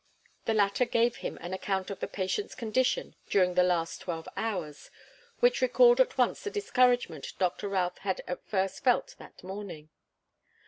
The latter gave him an account of the patient's condition during the last twelve hours, which recalled at once the discouragement Doctor Routh had at first felt that morning.